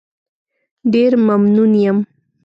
ډېر ممنون یم.